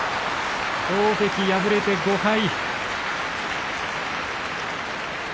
大関、敗れて５敗。